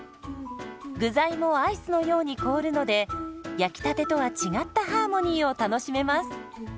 具材もアイスのように凍るので焼きたてとは違ったハーモニーを楽しめます。